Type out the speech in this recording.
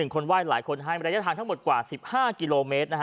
คนไห้หลายคนให้ระยะทางทั้งหมดกว่า๑๕กิโลเมตร